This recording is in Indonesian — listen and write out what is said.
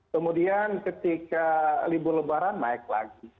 kemudian ketika libur lebaran naik lagi